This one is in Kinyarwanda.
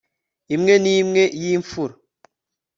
imwe n imwe y imfura